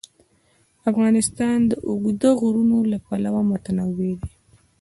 افغانستان د اوږده غرونه له پلوه متنوع دی.